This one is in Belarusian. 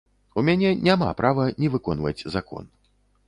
У мяне няма права не выконваць закон.